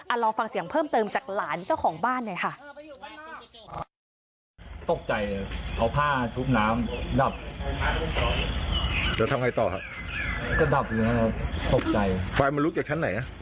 ลองฟังเสียงเพิ่มเติมจากหลานเจ้าของบ้านหน่อยค่ะ